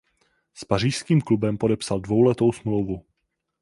S pařížským klubem podepsal dvouletou smlouvu.